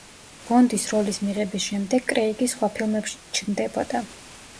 ბონდის როლის მიღების შემდეგ კრეიგი სხვა ფილმებშიც ჩნდებოდა.